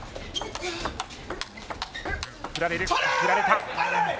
振られた。